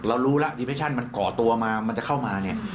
เรารู้ล่ะมันก่อตัวมามันจะเข้ามาเนี่ย